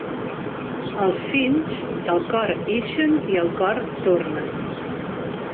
Els fills, del cor ixen i al cor tornen.